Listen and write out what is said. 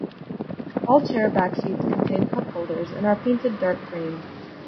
All chair back seats contain cup holders and are painted dark green.